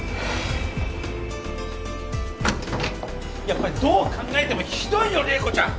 ・やっぱりどう考えてもひどいよ麗子ちゃん！